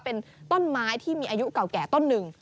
เป็นต้นไม้ที่มีอายุเก่าแก่ต้นหนึ่ง